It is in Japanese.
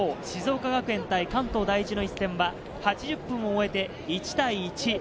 静岡学園対関東第一の一戦は８０分を終えて１対１。